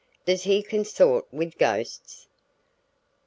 "Does he consort with ghosts?"